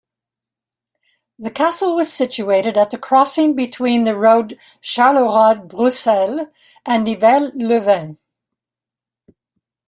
The castle was situated at the crossing between the road Charleroi-Bruxelles and Nivelles-Leuven.